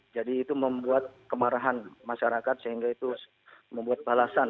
jadi itu membuat kemarahan masyarakat sehingga itu membuat balasan